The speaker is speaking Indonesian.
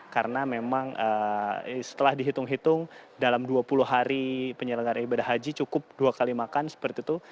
karena memang setelah dihitung hitung dalam dua puluh hari penyelenggaran ibadah haji cukup dua kali makan seperti itu